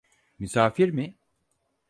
Misafir mi?